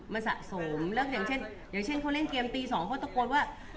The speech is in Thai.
มันสะสมอย่างเช่นเขาเล่นเกมตีสองเขาตกดว่า